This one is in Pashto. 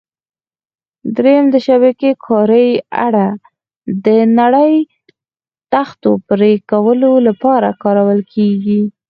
درېیم: د شبکې کارۍ اره: د نرۍ تختو پرېکولو لپاره کارول کېږي.